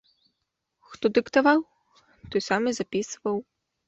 Хто дыктаваў, той сам і запісваў.